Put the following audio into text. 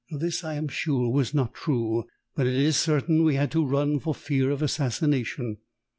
This I am sure was not true. But it is certain we had to run for fear of assassination.